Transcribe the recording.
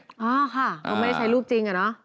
อะไรข่ะมันไม่ใช้รูปจริงเนอะ